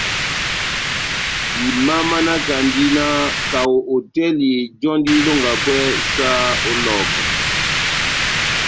Imamanakandi na kaho hotɛli jɔ́ndi ilongakwɛ saha ó Lɔhɔkɔ.